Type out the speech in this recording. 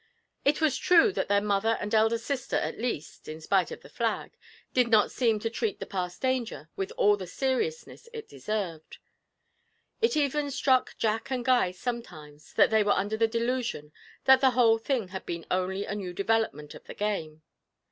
It was true that their mother and elder sister at least (in spite of the flag) did not seem to treat the past danger with all the seriousness it deserved. It even struck Jack and Guy sometimes that they were under the delusion that the whole thing had been only a new development of the game.